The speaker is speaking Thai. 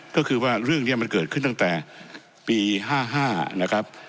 ก็คือว่าเรื่องนี้มันเกิดขึ้นตั้งแต่ปี๕๕นะครับ